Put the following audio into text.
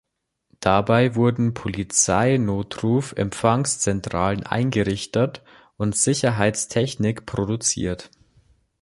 Dabei wurden Polizeinotruf-Empfangszentralen eingerichtet und Sicherheitstechnik produziert.